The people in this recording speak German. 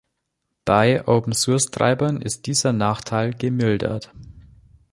Bei Open-Source-Treibern ist dieser Nachteil gemildert.